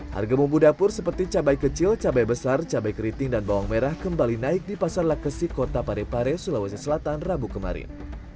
harga bumbu dapur seperti cabai kecil cabai besar cabai keriting dan bawang merah kembali naik di pasar lakesi kota parepare sulawesi selatan rabu kemarin